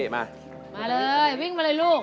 มามาเลยวิ่งมาเลยลูก